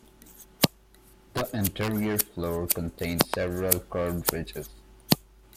The interior floor contains several curved ridges.